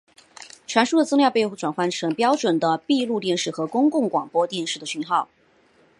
传输的资料被转换成标准的闭路电视和公共广播电视的讯号。